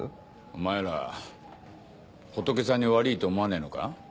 お前らホトケさんに悪ぃって思わねえのか？